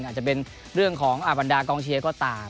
อาจจะเป็นเรื่องของบรรดากองเชียร์ก็ตาม